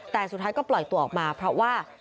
แต่สุดท้ายก็ปล่อยตัวออกมาเพราะว่า